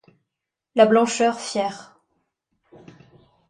La blancheur fière